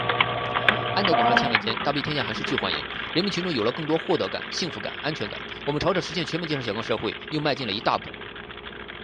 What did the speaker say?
“安得广厦千万间，大庇天下寒士俱欢颜！”……人民群众有了更多获得感、幸福感、安全感。我们朝着实现全面建成小康社会目标又迈进了一大步。